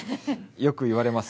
よく言われます。